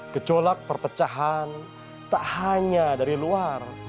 gejolak perpecahan tak hanya dari luar